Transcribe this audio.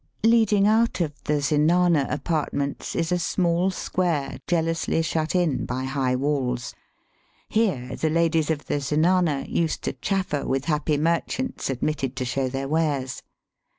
Leading out of the Zenana apartments is a small square jealously shut in by high walls. Here the ladies of the Zenana used to chaffer with happy merchants admitted to show their wares.